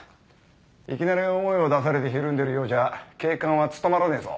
いきなり大声を出されてひるんでるようじゃ警官は務まらねえぞ。